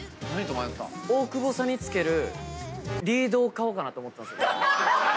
大久保さんにつけるリードを買おうかなと思ってたんですよ。